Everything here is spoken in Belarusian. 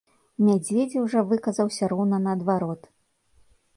Мядзведзеў жа выказаўся роўна наадварот.